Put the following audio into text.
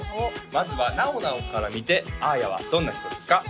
まずはなおなおから見てあーやはどんな人ですか？